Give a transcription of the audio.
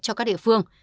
cho các địa phương